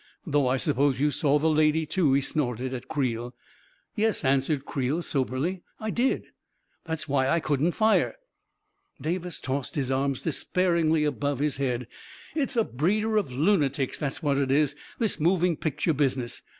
Though I suppose you saw the lady, too 1 " he snorted at Creel. 44 Yes," answered Creel, soberly, 4I I did. That's why I couldn't fire." Davis tossed his arms despairingly above his head. 44 It's a breeder of lunatics, that's what it is — this moving picture business